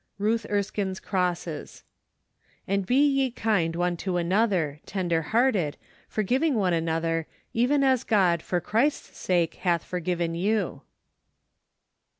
Ruth Erskine's Crosses. " And he ye kind one to another, tenderhearted , forgiving one another , even as God for Christ's sake hath forgiven you."